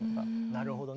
なるほどね。